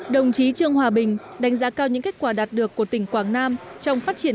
đồng chí trương hòa bình đánh giá cao những kết quả đạt được của tỉnh quảng nam trong phát triển